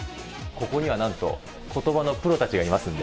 ここにはなんとことばのプロたちがいますんで。